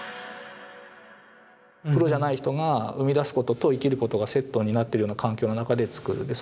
プロじゃない人が生みだすことと生きることがセットになってるような環境の中で作る。